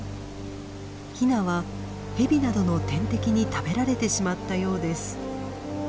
ヒナはヘビなどの天敵に食べられてしまったようです。